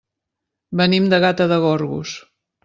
Venim de Gata de Gorgos.